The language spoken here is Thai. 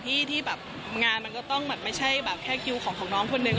ที่งานมันก็ต้องไม่ใช่แค่คิวของของน้องคนหนึ่ง